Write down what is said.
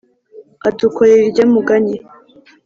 Adukorera irya mugani